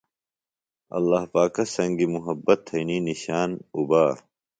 ﷲ پاکہ سنگیۡ محبت تھئینی نِݜان اُبا۔